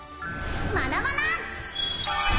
マナマナ！